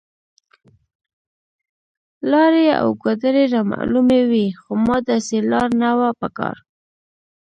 لارې او ګودرې رامعلومې وې، خو ما داسې لار نه وه په کار.